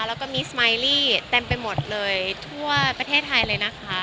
แล้วก็มีสมายลี่เต็มไปหมดเลยทั่วประเทศไทยเลยนะคะ